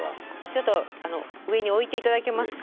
ちょっと上に置いて頂けますか。